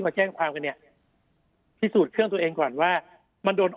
พอแจ้งความกันเนี่ยพิสูจน์เครื่องตัวเองก่อนว่ามันโดน